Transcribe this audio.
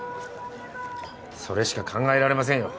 それしか考えられませんよ。